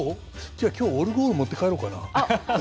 じゃあ今日オルゴール持って帰ろうかな？